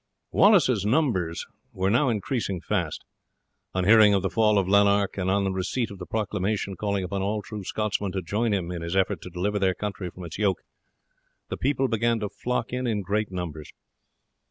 Wallace's numbers now increased fast. On hearing of the fall of Lanark, and on the receipt of the proclamation calling upon all true Scotchmen to join him in his effort to deliver their country from its yoke, the people began to flock in in great numbers.